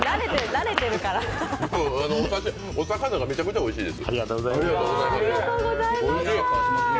お魚がめちゃくちゃおいしいです。